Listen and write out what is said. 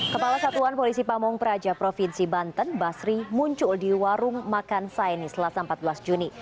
kepala satuan polisi pamung praja provinsi banten basri muncul di warung makan saini selasa empat belas juni